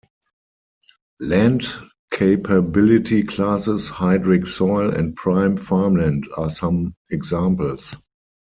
Land Capability Classes, hydric soil, and prime farmland are some examples.